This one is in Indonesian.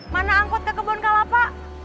mana angkut ke kebun kalapa